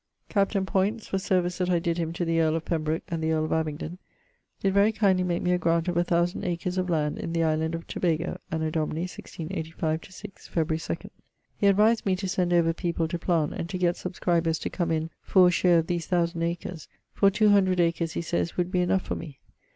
Captain ... Poyntz (for service that I did him to the earle of Pembroke and the earl of Abingdon[AE]) did very kindly make me a grant of a thousand acres of land in the island of Tobago, anno Domini 1685/6, Febr. 2ᵈ. He advised me to send over people to plant[AF] and to gett subscribers to come in for a share of these 1000 acres, for 200 acres he sayes would be enough for me.